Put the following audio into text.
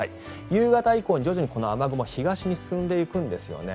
夕方以降、徐々にこの雨雲が東に進んでいくんですよね。